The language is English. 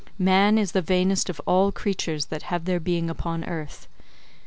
Man is the vainest of all creatures that have their being upon earth.